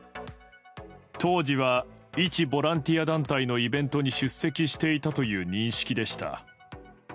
当時は、一ボランティア団体のイベントに出席していたという認識でした。